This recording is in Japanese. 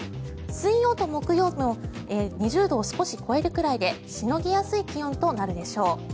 水曜と木曜も２０度を少し超えるくらいでしのぎやすい気温となるでしょう。